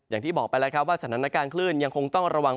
อย่างที่บอกไปแล้วครับว่าสถานการณ์คลื่นยังคงต้องระวัง